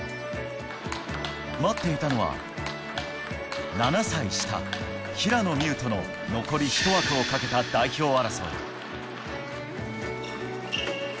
待っていたのは、７歳下、平野美宇との残り１枠をかけた代表争い。